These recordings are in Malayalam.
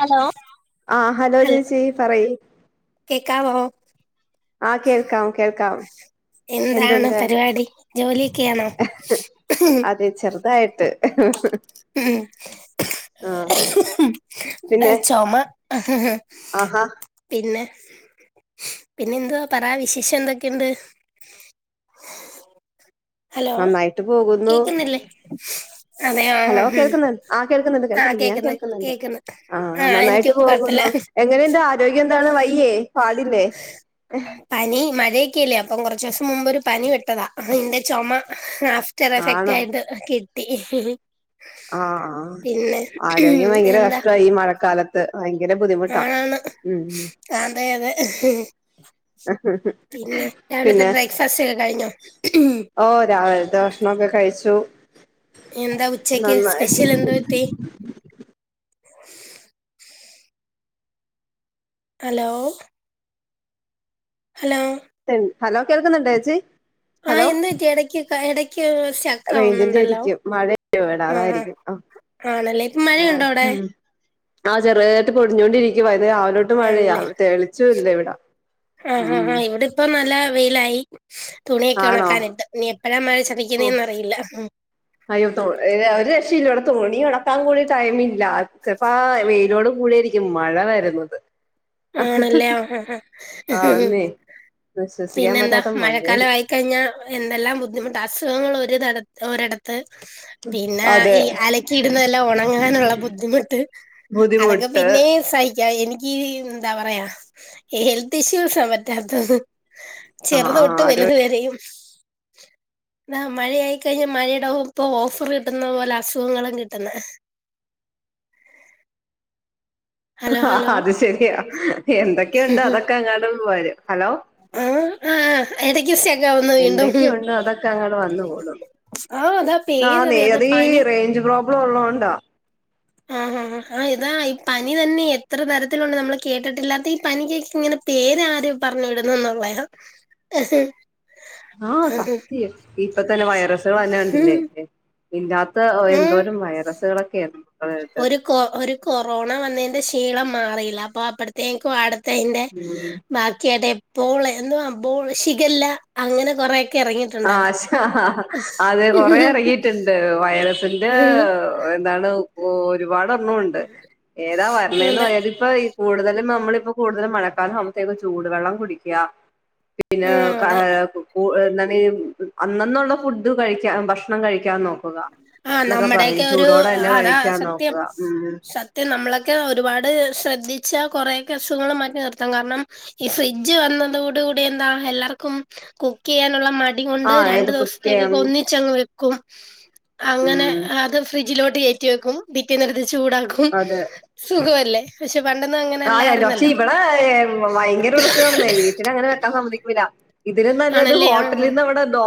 ഹലോ ആഹ് ഹലോ ചേച്ചി പറയ് കേക്കാവോ ആഹ് കേൾക്കാം കേൾക്കാം എന്താണ് എന്തുണ്ട് പരിപാടി ജോലിയൊക്കെയാണോ അതെ ചെറുതായിട്ട് ആഹ് ഉം പിന്നെ ചുമ ആഹാ പിന്നെ പിന്നെ എന്തുവാ പറ വിശേഷം എന്തൊക്കെയുണ്ട് ഹലോ നന്നായിട്ട് പോകുന്നു കേക്കുന്നില്ലേ അതെയോ ഹലോ ഉം കേൾക്കുന്നുണ്ട് ആഹ് കേൾക്കുന്നുണ്ട് ആഹ് കേൾക്കുന്നുണ്ട് ഞാൻ കേക്കുന്നു കേൾക്കുന്നുണ്ട് കേക്കുന്നു ആഹ് നന്നായിട്ട് എനിക്കും കൊഴപ്പില്ല പോകുന്നു എങ്ങനെ ഇണ്ട് ആരോഗ്യം എന്താണ് വയ്യേ പാടില്ലേ പനി മഴയൊക്കെയല്ലേ അപ്പൊ കുറച്ച് ദിവസം മുമ്പ് ഒരു പനി വിട്ടതാ അതിന്റെ ചുമ ആഫ്റ്റർ എഫക്റ്റ് ആണോ ആയിട്ട് കിട്ടി ആഹ് ആഹ് പിന്നെ ആരോഗ്യം ഭയങ്കര കഷ്ടമായി ഈ മഴക്കാലത്ത് ഭയങ്കര ബുദ്ധിമുട്ടാ ആണ് ഉം അതെ അതെ പിന്നെ രാവിലത്തെ ബ്രേക്ക്ഫാസ്റ്റ് ഒക്കെ കഴിഞ്ഞോ ഓഹ് രാവിലത്തെ ഭക്ഷണമൊക്കെ കഴിച്ചു എന്താ ഉച്ചയ്ക്ക് സ്പെഷ്യൽ നന്നായിട്ട് എന്ത് കിട്ടി ഹലോ ഹലോ ഹലോ കേൾക്കുന്നുണ്ടോ ചേച്ചി ഹലോ ആഹ് എന്ത് പറ്റി ഇടയ്ക്ക് ഇടയ്ക്ക് ശ റേഞ്ചിന്റെ ആയിരിക്കും മഴ ഉണ്ട് ഇവിടെ അതായിരിക്കും ആഹ് ആണല്ലേ ഇപ്പം മഴയുണ്ടോ അവിടെ ആഹ് ചെറുതായിട്ട് പൊടിഞ്ഞുകൊണ്ടിരിക്കുവാ ഇത് രാവിലെ തൊട്ട് മഴയാ ആണല്ലേ തെളിച്ചം ഇല്ല ഇവിടെ ഉം ഇപ്പൊ നല്ല വെയിലായി തുണിയൊക്കെ ആണോ ഉണക്കാനിട്ട് ഇനി എപ്പോഴാ മഴ ഓ ചതിക്കുന്നെന്നറിയില്ല അയ്യോ ഒരു രക്ഷ ഇല്ല ഇവിടെ തുണി ഒണക്കാൻ കൂടി ടൈം ഇല്ല ചിലപ്പോ ആഹ് വെയിലോട് കൂടി ആയിരിക്കും മഴ വരുന്നത് ആണല്ലേ ആഹ് ആഹ് ആ ആഹ് അന്നേ വിശ്വസിക്കാൻ പിന്നെന്താ പറ്റാത്ത മഴക്കാലം മഴയാണ് ആയി കഴിഞ്ഞാൽ എന്തെല്ലാം ബുദ്ധിമുട്ട് അസുഖങ്ങൾ ഒരിട ഒരിടത്ത് ത്ത് പിന്നെ അതെ ഈ അലക്കി ഇടുന്നതെല്ലാം ഉണങ്ങാനുള്ള ബുദ്ധിമുട്ട് അതൊക്കെ ബുദ്ധിമുട്ട് പിന്നെയും സഹി ക്കാം എനിക്കീ എന്താ പറയാ ഹെൽത്ത് ഇഷ്യൂസാ പറ്റാത്തത് ആ ചെറുത് ആ തൊട്ട് ഒരു വലുതു വരെയും ആഹ് മഴയായിക്കഴിഞ്ഞാൽ മഴടെ ഒപ്പം ഓഫർ കിട്ടുന്ന പോലെ അസുഖങ്ങളും കിട്ടുന്നെ ഹലോ ആഹ് ഹലോ അത് ശരിയാ എന്തൊക്കെയുണ്ട് അതൊക്കെ അങ്ങോട്ടും വരും ഹലോ ആഹ് ആഹ് എടയ്ക്ക് സ്‌റ്റ്ക്ക് ആകുന്നു വീണ്ടും എന്തൊക്കെയുണ്ടോ അതൊക്കെ അങ്ങോട് വന്ന് കൂടും ആ അതാ ആന്നെ പേരറിയാതെ അതീ പനി റേഞ്ച് പ്രോബ്ലം ളം ഉള്ളോണ്ടാ ആഹ് ആഹ് ആഹ് ഇതാ ഈ പനി തന്നെ എത്ര തരത്തിലുണ്ട് നമ്മള് കേട്ടിട്ടില്ലാത്ത ഈ പനിക്കൊക്കെ ഇങ്ങനെ പേര് ആര് പറഞ്ഞുവിടുന്ന എന്നൊള്ളയാ ആഹ് സത്യം ഇപ്പൊ തന്നെ വൈറസുകൾ തന്നെ ഉം കണ്ടില്ലേ ഇല്ലാത്ത ഉം എന്തോരം വൈറസ്‌കളൊക്കെയിരുന്നു [unintelligible] ഒരു കൊ ഒരു കൊറോണ വന്നേന്റെ ക്ഷീണം മാറിയില്ല അപ്പോ അപ്പടെത്തേക്കും അട്ത്തെയിന്റെ ഉം ബാക്ക്യയതെപ്പോൾ എന്ത്‌വാ ബോൾ ഷിഗല്ലാ അങ്ങനെ കൊറേ ആഹ് ഷാ അതെ കൊറേ എറങ്ങീട്ട്ണ്ട് വൈ റസിന്റെ എന്താണ് ഒ ഒരുപാട് എണ്ണം ഉ ണ്ട് ഏതാ വര്ണേന്ന് അതെ പറയാ ഇത്പ്പ ഇ കൂടുതലും നമ്മളിപ്പോ കൂടുതലും മഴക്കാലം ആവുമ്പത്തേക്കു ചൂടുവെള്ളം കുടിക്കാ പിന്നെ ആ കാ അതെ കു കൂ എന്താണ് അന്നന്നുള്ള ഫുഡ് കഴിക്കാ ഭക്ഷണം കഴിക്കാ നോക്കുക ആഹ് എന്നൊക്കെ പറയും നമ്മടെക്കൊരു ചൂടോടെ തന്നെ അതാ കഴിക്കാൻ സത്യം നോക്കുക ഉം സ ത്യം നമ്മളൊക്കെ ഒരുപാട് ശ്രദ്ധിച്ചാ കൊറേക്കെ അസുഖങ്ങള് മാറ്റി നിർത്താം കാരണം ഈ ഫ്രിഡ്ജ് വന്നതോട് കൂടി എന്താ എല്ലാർക്കും കുക്കെയ്യാനുള്ള മ ടി കൊണ്ട് ആഹ് രണ്ടു ഏത് കുറ്റിയം ദിവസത്തേക്കൊക്കെ ഒന്നിച്ചങ്ങ് വെക്കും അങ്ങനെ ഉം അത് ഫ്രിഡ്ജിലോട്ട് കെയറ്റി വെക്കും പിറ്റേന്ന്ട്ത്ത് ചൂടാക്കും അതെ സുഖവല്ലേ പക്ഷെ പണ്ടൊന്നും അങ്ങ അതെന്നെ പക്ഷെ ഇവടെ ഭയങ്കര പ്രശ്നാണന്നേ വീട്ടില് അങ്ങനെ വെക്കാ സമ്മതി ക്കൂല ഇതിലും നല്ലത് ആണല്ലേ ആഹ് ഹോട്ടലീന്ന് നമ്മടെ ദോ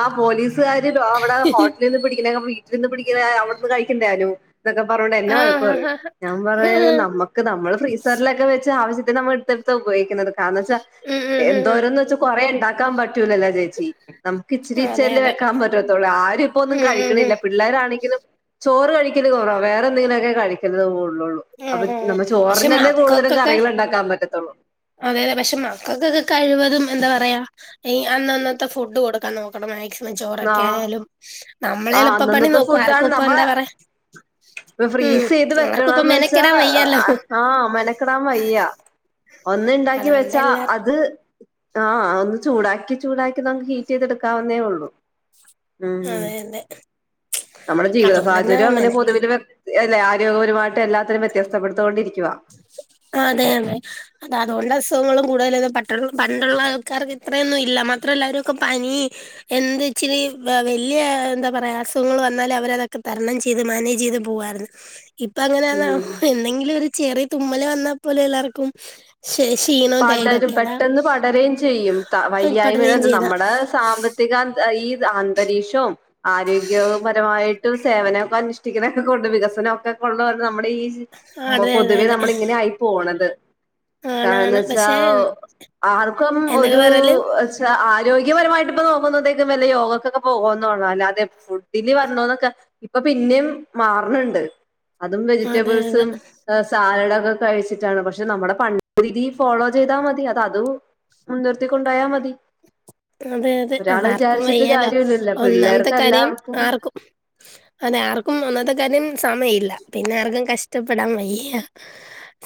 ആ പോലീസ് സാര് അവടെ ഹോട്ടിലീന്ന് പിടിക്ക്ന്നോക്കെ വീട്ടിലീന്ന് പിടിക്ക അവിടെന്ന് കഴിക്ക്ണ്ടാനു ഇതൊക്കെ പറഞ്ഞോണ്ട് എന്നെ വഴക്ക് ആഹ് പറയും ആഹ് ആഹ് ഞാൻ പറയും നമ്മക്ക് നമ്മള് ഫ്രീസറ്ലെ ല്ലം വെച്ച് ആവശ്യത്തിന് നമ്മ എട്ത്തെട്ത്ത ഉപയോഗിക്ക്ണത് കാരണന്നെച്ചാ ഉം ഉം ഉം എന്തോരന്നെച്ച് കൊറേ ഇണ്ടാക്കാൻ പറ്റൂലല്ലോ ചേച്ചി നമുക്ക് ഇച്ചിരി അതെ ഇച്ചിരില്ലേ അതെ വെക്കാൻ പറ്റത്തൊള്ളൂ ആരും ഇപ്പൊന്നും ഉം ഉം ഉം കഴിക്ക്ണില്ല പിള്ളേരാണെങ്കിലും ചോറ് കഴിക്കല് കൊറവാ വേറെന്തെങ്കിലൊക്കെ കഴിക്ക്ന്നത് കൂട്ണോള്ളൂ ആഹ് ഹാഹ് പക്ഷേ മക്കക്കൊക്കെ ഇണ്ടാക്കാൻ പറ്റത്തൊള്ളൂ അതെ അതെ പക്ഷെ മക്കക്കൊക്കെ കഴിവതും എന്താ പറയാ ഈ അന്നന്നത്തെ ഫുഡ് കൊട് ക്കാ നോക്കണം മാക്സിമം ചോറൊക്കെ ആഹ് ആയാലും നമ്മള് ആഹ് എളുപ്പ പണി അന്നന്നത്തെ നോക്കും ആർക്കും ഇപ്പെന്താ പറ്യാ ഇപ്പൊ ഫ്രീസെയ്ത് വെക്കണന്ന് വെച്ചാ മെനക്കെടാൻ അ വയ്യാലോ ആഹ് മെന ക്കെടാ വെയ്യ ഒന്ന് ഇണ്ടാക്കി അതുകൊണ്ട് വെച്ചാ എല്ലാർ അത് ആഹ് അതോന്ന് ചൂടാക്കി ചൂടാക്കി നമുക്ക് ഹീറ്റ്യ്തെട്ക്കാവുന്നേ ഒള്ളു ഉം അതെ അതെ നമ്മടെ ജീവിത അതുകൊണ്ടെന്നാ സാഹചര്യം അങ്ങനെ മെന പൊതുവില് എല്ലെ ആരോഗ്യ ഭാഗത്ത് എല്ലാത്തിലും വ്യത്യസ്ത്തപ്പെട്ടോണ്ടിരിക്കുവാ അതെ അതെ അതാ അതോണ്ട് അസുഖങ്ങളും കൂടുതലും പട്ട പണ്ട്ള്ള ആൾക്കാർക്ക് ഇത്രയൊന്നും ഇല്ല മാത്രല്ലാവര്ക്ക് പനി എന്താച്ച്ലീ വല്ല്യ എന്താ പറയാ അസുഖങ്ങള് വന്നാല് അവരതൊക്കെ തരണം ചെ യ്ത് മാനേജ്യ്ത് പോവാരുന്നു ഇപ്പ അങ്ങനാന്നോ ഉം എന്തെങ്കിലും ഒരു ചെറിയ തുമ്മല് വന്ന പോലും എല്ലാർക്കും ഷയ് ക്ഷീണം പടരും പെട്ടെന്ന് പടരേയും ചെയ്യും ത പടരുകയും വെയ്യായ്മേടത് ചെയ്ത നമ്മടെ സാമ്പത്തികാ അ ഈ അന്തരീഷും ആരോഗ്യപരമായിട്ട് സേവനൊക്കെ അനുഷ്ഠിക്കുന്നൊക്കെ കൊണ്ട് വികസനൊക്കെ കൊണ്ട് വന്ന് നമ്മളെ ഈ അതെ അതെ പൊതുവേ അതെ നമ്മള് ഇങ്ങനെ ആയി പോണത് ആണാണ് പക്ഷ് ഏ ആർക്കും ഒരൂ പറഞ്ഞാലും ച്ചാ ആരോഗ്യപരമായിട്ട് ഇപ്പ നോക്കുന്നതേക്കും വെല്ല യോഗക്കൊക്കെ പോവ്ന്നോണ്ടാ അല്ലാതെ ഫു ഡില് വന്നതോക്കെ ഇപ്പൊ പിന്നിം മാറ്ണ് ണ്ട് അതും അതെ അതെ വെജിറ്റബിൾസും സാലഡൊക്കെ കഴിച്ചിട്ടാണ് പക്ഷെ നമ്മുടെ [unintelligible] രീതി ഫോളോ ചെയ്താ മതി അതാ അത് മുൻനിർത്തിക്കൊണ്ടായാ മതി അതെ അതെ ഒരാള് അതാർക്കും വിചാരിച്ചിട്ട് വെയ്യാലോ കാര്യല്ലല്ലോ ഒന്നാമത്തെ പിള്ളേർക്ക് കാര്യം എല്ലാവർക്കും ആർക്കും അതെ ആർക്കും ഒന്നത്തെ കാര്യം സമയമല്ല പിന്നെ ആർക്കും കഷ്ടപ്പെടാൻ വയ്യ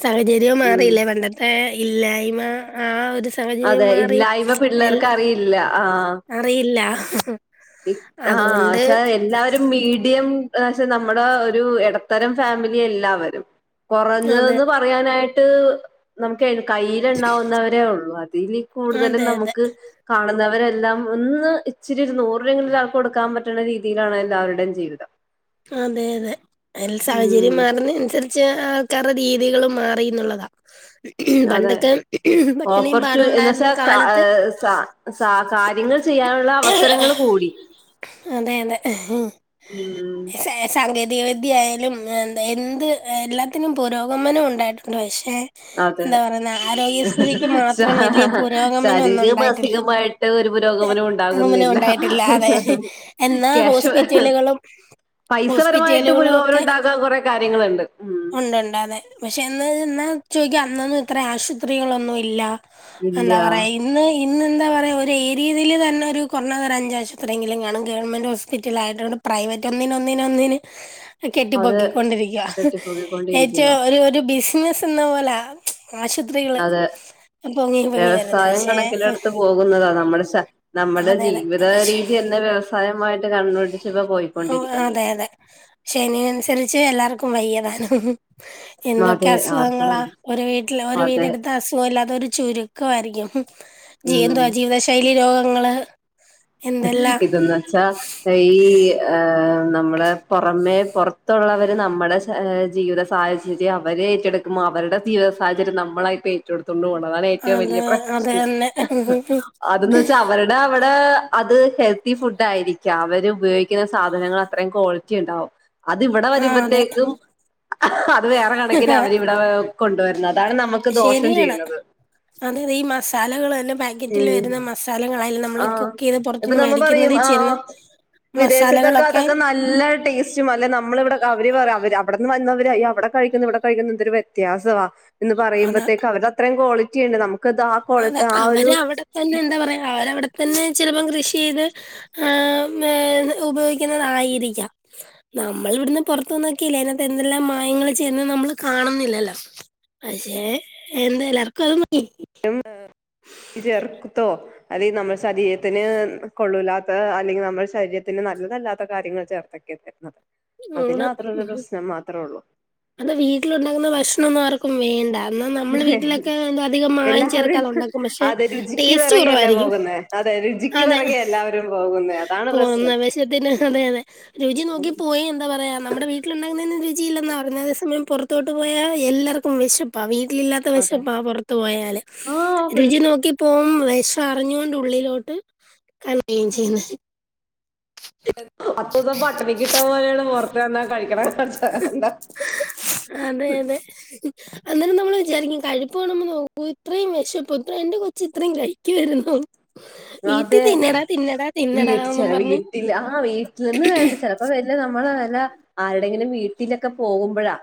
സാഹചര്യം ഉം മാറിയില്ലേ പണ്ടത്തെ ഇല്ലായ്മ ആ ഒര്ത് അതെ ഇല്ലായ്മ പിള്ളേർക്ക് അറിയില്ല ആ അറിയില്ല അഹഹ ബിക് ആചാ എല്ലാവരും മീഡിയം പക്ഷെ നമ്മുടെ ഒരു എടത്തരം ഫാമിലി എല്ലാവരും കൊറക്ന്ന് അതെ. പറഞ്ഞാ പറയാനായിട്ട് നമുക്ക് കയ്യിൽ എണ്ണാവുന്നവരേ ഒള്ളു അതില് കൂടുതലും അതെ അതെ. നമുക്ക് കാണുന്നവരെല്ലാം ഒന്ന് ഇച്ചിരി നൂറ് രൂപങ്കിലുംഒരാൾക്ക് കൊടുക്കാൻ പറ്റുന്നെങ്കിൽ ട്ടണ രീതിയിലാണ് എല്ലാവരുടെയും ജീവിതം അതെ അതെ എൽ സാഹചര്യം ഉം മാറുന്നനുസരിച്ച് ചെറ് രീതികളും മാറിന്നുള്ളതാ അതെ ഓപ്പർച പാടും ഉണ്ടായിരുന്ന എന്നച്ചാ കാലത്ത് കആസ സ കാര്യങ്ങൾ ചെയ്യാനുള്ള അവസരങ്ങൾ കൂടി അതെ യതെ [inaudible] സാങ്കേതിക വിദ്യയാലും എന്താ എന്ത് എല്ലാത്തിനും പുരോഗമനവും ഉണ്ടായിട്ടുണ്ട് പക്ഷെ അതെ എന്താ പറയുന്നെ ആരോഗ്യസ്ഥിതിക്ക് ശാ മാത്രം വലിയ പുരോഗമനം ശാരീരിക ഒന്നുംണ്ടായിട്ടില്ല മാനസികമായിട്ട് ഒരു പുരോഗമനം ഉണ്ടാകുന്നില്ല ഉണ്ടായിട്ടില്ല അതെ എന്നാ ക്യാഷ് ഹോസ്പിറ്റലുകളും പൈസപരമായിട്ട് ഹോസ്പിറ്റലുകളും പുരോഗമനം ഉണ്ടാക്കാൻ കുറെ കാര്യങ്ങളുണ്ട് ഉ ഉണ്ട്ണ്ട് അതെ പക്ഷെ ന്ന് ന്ന് ചോദിക്കാ അന്നൊന്നും ഇത്ര ആശുപത്രികളൊന്നും ഇല്ല ഇല്ല എന്താ പറയഇ ഇന്ന് ഇന്ന് എന്താ പറയാ ഒരു ഏര് യതിൽ തന്നെ ഒരു കൊറഞ്ഞത് അഞ്ച് ആശുപത്രി കാണും ഗവൺമെന്റ് ഹോസ് സിറ്റിലയിട്ടണ്ട് പ്രൈവറ്റ് ഒന്നിനന് ഒന്നിന് ഒന്നിനന് അത് കെട്ടിപൊക്കൊണ്ടിരികുവ ഏച്ച കെട്ടിപ്പോക്കിക്കൊണ്ടിരിക്കുക ഒരു ഒരു ബിസിന എന്ന പോല ആശുദ് അതെ വരുന്നത് വ്യവസായം പക്ഷെ കണക്കിലെടുത്ത് പോകുന്നതാ നമ്മുസ നമ്മുടെ അതെ അതെ ജീവിത പക്ഷെ രീതി തന്നെ വ്യവസായമായിട്ട് കണ്ണൊടിച്ച് ഇപ്പ പോയിക്കൊണ്ടിരിക്കുന്ന എനെ ശനി അനുസരിച്ച് എല്ലാർക്കും വയ്യദാനം എന്തൊക്കെ അതെ ആർക്കും അസുഖങ്ങളാ ഒരു വീട്ടില് ഒരു വീട് അതെ എടുത്ത അസുഖ ഇല്ലാതെ ഒരു ചുരുക്കയിയിരിക്കും ജീ ഉം എന്തുവാ ജീവിത ശൈലി രോഗങ്ങള് എന്തെല്ലാം ഇത് ന്ന് വച്ചാ ഈ ഹാ ഇഹ് നമ്മള് പുറമെ പുറത്തുള്ളവര് നമ്മുളെ ജീവിത സാഹചെര്യയം അവരെ ഏറ്റട് അവരുടെ ജീവിത സാഹചര്യം നമ്മളായിട്ട ചുട്ത്തെട് പോണതാണ് ഏറ്റവും അത് വലിയ അത് പ്രശ്നം തന്നെ അതന്ന് വെച്ചാ അവരുടെ അവിടെ അത് ഹെൽത്തി ഫുഡ് ആയിരിക്കാം അവര് ഉപയോഗിക്കുന്ന സാധനങ്ങൾ അത്രയും ക്വാളിറ്റി ഉണ്ടാവു അത് ഇവിടെ ആഹ് അതെ വരുമ്പത്തേക്കും അത് വേറെ കണക്കിൽ അവരിവിടെ കൊണ്ടുവരുന്നത് അതാണ് നമുക്ക് ദോഷം ചെയ്യുന്നത് അതിഇതി ഈ മസാലകൾല്ലെ പാക്കറ്റിൽ ഉം വരുന്ന മസാലകളെല്ല നമ്മള് ആഹ് കുക്ക്യ്ത് ഇപ്പൊ പുറത്തുന്ന് നമ്മ പറയും മേടിക്കുന്നതിൽ ചേന്ന് ആഹ് വിദേശത്തൊക്കെ മസാലകളൊക്കെ അതൊക്കെ നല്ല ടേസ്റ്റും അല്ല നമ്മള് ഇവിടെ അവര് വെറെ അവര് അവിടെന്ന് വന്നവരായി അവിടെ കഴിക്കുന്ന ഇവിടെ കഴിക്കുന്നന്തൊരു വ്യത്യാസവാ എന്ന് അതാ പറയുമ്പതെക്ക് അവര് അത്രയും ക്വാളിറ്റി ഉണ്ട് നമുക്ക് എദാ കൊള്ട ആ ഒരു പിന്നെ എന്താ പറയാ അവര് അവിടെത്തന്നെ ചിലപ്പോം കൃഷി ചെയ്ത് ഏമ്മേ ഉപയോഗിക്കുന്നതായിരിക്കാം നമ്മൾ ഇവിടുന്ന് പൊറത്തുനിന്നോക്കില്ലേ അതിനകത്തെ എന്തെല്ലാം മായങ്ങള്ൾ ചെയ്യ്ന്ന് നമ്മള് കാണുന്നില്ലല്ലോ പക്ഷേ എന്താല്ലക്ക മഈ ഇജ്ർകുതോ അത് നമ്മൾ ശരീരത്തിന് കൊള്ളൂലാത്ത അല്ലെങ്കിൽ നമ്മുടെ ശരീരത്തിന് നല്ലതല്ലാത്ത കാര്യങ്ങൾ ചേർത്ത് [unintelligible] അതിൽ ആണ് മാത്രള്ള ഒരു ഉം. പ്രശ്നം മാത്രമേള്ളൂ അത് വീട്ടിലുണ്ടാക്കുന്ന ഭക്ഷണൊന്നാർക്കും വേണ്ട. ഇന്നാ നമ്മൾ വീട്ടിലൊക്കെ എന്തധികം മായം എല്ലാവരും ചേർക്കാതെ ഉണ്ടാക്കും. പക്ഷെ അതെ രുചിക്ക് ടേസ്റ്റ് പിറകെയല്ല കുറവായിരിക്കും. പോകുന്നേ അതെ രുചിക്ക് അതെ പിറകെ എല്ലാവരും പോകുന്നേ അതാണ് പ്രശ്നം പോന്നവേശത്തിന് അതെ അതെ. രുചി നോക്കി പോയി എന്താ പറയാ നമ്മുടെ വീട്ടിൽ ലുണ്ടാക്കുന്നതിന് രുചിയില്ലന്ന പറണെ അതേ സമയം പൊറത്തോട്ട് പോയാ എല്ലാർക്കും വിശപ്പ വീട്ടിലില്ലാ ത്ത അതെ വെശപ്പ പൊറ്ത്ത് പോയാല്. ആഹ് പിള്ള രുചി നോക്കിപ്പോവും വെഷ അറിഞ്ഞൊണ്ട് ഉള്ളിലോ ട്ട് കയ്ക്കെൻ ചെയ്യുന്നത് പത്തൂസം പട്ടിണികിട്ട പോലെയാണ് പൊറത്തെന്നാ കഴിക്കണ കാഴ്ച്ചകണ്ട. അതെ അതെ. അന്നേരം നമ്മൾ വിചാരിക്കും കഴുപ്പ് കാണുമ്പോ നോക്കൂ ഇത്രയും വെശപ്പോ ഇത്രേ എന്റെ കൊച്ച് ഇത്രയു കഴിക്കുവാരുന്നോ. അതെ തിന്നടാ വീട്ട് ചെല എന്നും പറഞ്ഞ് വീട്ടില് ആഹ വീട്ടിൽന്ന് വേണ്ട ചെല അപ്പൊ വല്ല നമ്മള വെല ആരുടെങ്കിലും വീട്ടിലൊക്കെ പോകുമ്പൊഴാ.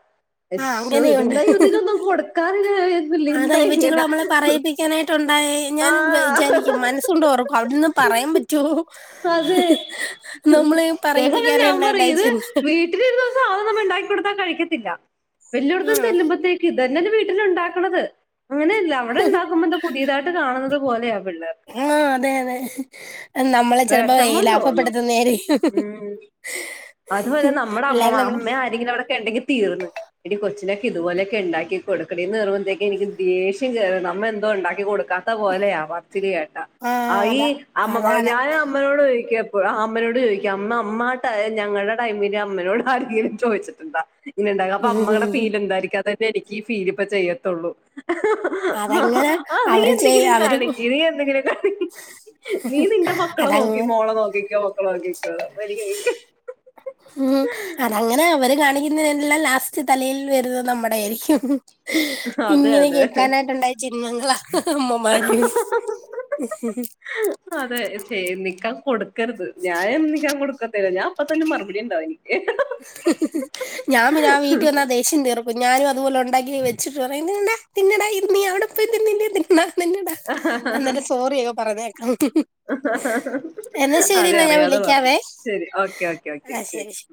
ആ യെശ്ശോ ഇതെന്ത അങ്ങനെയുണ്ട് ഇതിനൊന്നും കൊടുക്കാറില്ല അതില്ലെ എന്താഇങ്ങന. ട്ടുണ്ടായി ഞാൻ വെചാരിക്കും മനസ്സൊണ്ട് ഓർക്കും അവിട്ന്ന് പറയാൻ പറ്റ റ്റോം അതെ നമ്മളേം പറയിപ്പിക്കാനായണ്ടായണ്ടായ ജന്മ ഒരു വിധ സാധനൊന്ന്ണ്ടാക്കി കൊടുത്താ കഴിക്കത്തില്ല വല്ല്യോട്ത്തൊന്ന് ആഹ് ചെല്ലുമ്പത്തേ ഇത്തന്നെല്ലെ വീട്ടിലുണ്ടാക്കണത്. അങ്ങനെയല്ല അവിടെ ഇണ്ടാക്കുമ്പോ എന്ത പുതിയതായിട്ട് കാണുന്നത് പോലെയാ പിള്ളേർ. ആഹ് അതെ അതെ നമ്മളെ ചെലപ്പോ ഈ വിഷമം തോന്നും ലാഭപ്പെടുത്തുന്നേയായിരിക്കും ഉം അതുപോലെ നമ്മുടെ അമ്മമ അമ്മേ ആരെങ്കിലവിടൊക്കെണ്ടെങ്കി തീർന്ന്. എടീ കൊച്ചിനൊക്കെ ഇതുപോലൊക്കെ ഉണ്ടാക്കി കൊടുക്കെടീന്നറുവത്തേക്ക് എനിക്ക് ദേഷ്യം കയറു നമ്മ എന്തോ ഇണ്ടാക്കി കൊടുക്കാ ത്ത പോലെയ പറ്ച്ചില് കേട്ട ആഹ് അഈ അതാ അമ്മമ് അതാണ് ഞൻ അമ്മനോട് ചോയിക്കെപ്പോ അമ്മനോട് ചോയിക്കും അമ്മ അമ്മാ ആ ടൈ ഞങ്ങൾടെ ടൈമില് അമ്മനോട് ആരെങ്കിലു ചോയിച്ച് ന്ത ഇന്നിണ്ടാക അപ്പൊ അമ്മേടെ ഉം ഫീൽ എന്തായിരിക്കും അതന്നെ എനിക്ക് ഈ ഫീൽ ഇപ്പ ചെയ്യത്തുള്ളൂ. അതങ്ങനെ ആഹ് നീ അവര് ചെയ്യ എന്തെങ്കിലു അവര് കാണിക്ക് നീ എന്തെങ്കിലു കാണി മക്കളെ നോക്കി അതങ്ങനെ മോളെ നോക്കിക്കോ മക്കളെ നോക്കിക്കോ വെരികയ് അങ്ങനെ അവര് കാണിക്കുന്നതിനെല്ല ലാസ്റ്റ് തലയിൽ വരുന്നത് നമ്മുടായിരിക്കും. അതെ ഇങ്ങനെ അതെ കേക്കാനായിട്ടുണ്ടായ ജന്മങ്ങളാ അമ്മമാര്. അതെ ചെയേ നിക്കാൻ കൊടുക്കരുത് ഞാൻ നിക്കാൻ കൊടുക്കത്തില്ല ഞാൻ അപ്പ തന്നെ മറുപടി ഇണ്ടാവൊനിക്ക്. ഞാൻ പിന്നെ ആ വീട്ടി വന്നാ ദേഷ്യം തീർ ക്കും ഞാനും അതുപോലെ ഉണ്ടാക്കി വെച്ചിട്ട് പറയും ദേണ്ട തിന്നടാ ഇത് നീ അവിടെ പോയി തിന്നില്ലേ ന്നാ തിന്നടാ. അന്നൻ്റെ സോറിയൊക്കെ പറഞ്ഞകേക്കാം എന്നാ അതെ ശരിന്നാ ഞാൻ അറിയാതെ പറഞ്ഞു വിളിക്കാവേ ശരി ഓക്കെ ഓക്കെ ഓക്കെ ആ ശരി ശ്